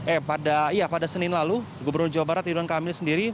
eh pada iya pada senin lalu gubernur jawa barat ridwan kamil sendiri